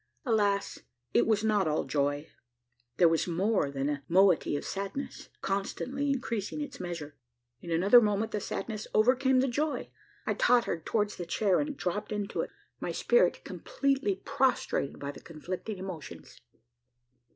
Alas! it was not all joy. There was more than a moiety of sadness, constantly increasing its measure. In another moment, the sadness overcame the joy. I tottered towards the chair, and dropped into it my spirit completely prostrated by the conflicting emotions.